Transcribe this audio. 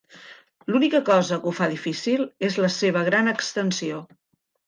L'única cosa que ho fa difícil és la seva gran extensió.